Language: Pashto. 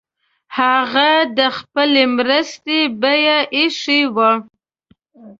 هغه د خپلي مرستي بیه ایښې وه.